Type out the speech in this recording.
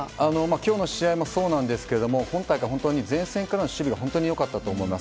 今日の試合もそうなんですが今大会、前線からの守備が本当に良かったと思います。